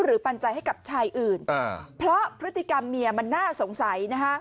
ปัญญาให้กับชายอื่นเพราะพฤติกรรมเมียมันน่าสงสัยนะฮะ